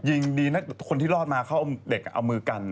ยิงดีคนที่ลอดมาเข้าด้วยเด็กเอามือกัน